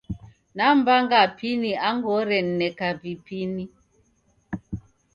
Nam'mbanga Apini angu oren'neka vipini.